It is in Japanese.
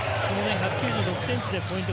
１９６ｃｍでポイント